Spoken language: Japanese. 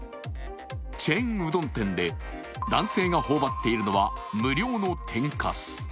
チェーンうどん店で男性が頬張っているのは、無料の天かす。